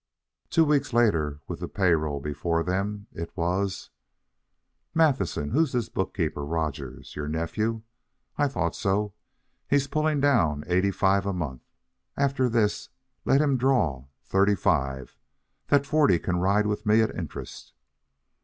Two weeks later, with the pay roll before them, it was: "Matthewson, who's this bookkeeper, Rogers? Your nephew? I thought so. He's pulling down eighty five a month. After this let him draw thirty five. The forty can ride with me at interest."